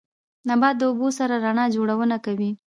نبات د اوبو سره رڼا جوړونه کوي